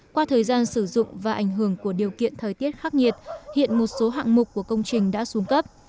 qua thời gian sử dụng và ảnh hưởng của điều kiện thời tiết khắc nhiệt hiện một số hạng mục của công trình đã xuống cấp